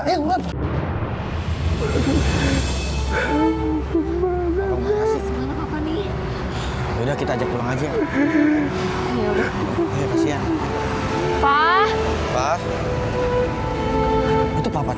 ah sangat wajib mater aslinya kita ajak pulang aja yainte pas pah itu pak smart